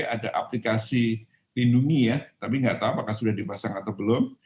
ada aplikasi lindungi ya tapi nggak tahu apakah sudah dipasang atau belum